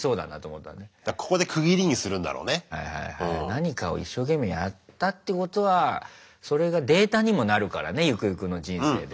何かを一生懸命やったってことはそれがデータにもなるからねゆくゆくの人生で。